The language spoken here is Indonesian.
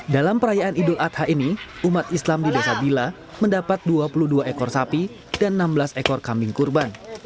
dalam perayaan idul adha ini umat islam di desa bila mendapat dua puluh dua ekor sapi dan enam belas ekor kambing kurban